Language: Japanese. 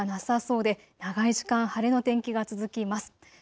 夜も天気の崩れはなさそうで長い時間、晴れの天気が続きます。